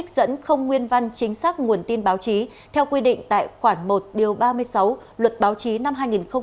vẫn không nguyên văn chính xác nguồn tin báo chí theo quy định tại khoản một ba mươi sáu luật báo chí năm hai nghìn một mươi sáu